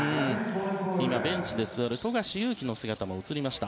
今、ベンチで座る富樫勇樹の姿も映りました。